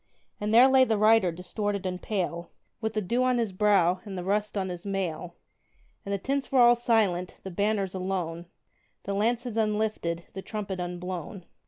And there lay the rider, distorted and pale, With the dew on his brow, and the rust on his mail; And the tents were all silent, the banners alone, The lances unlifted, the trumpet unblown.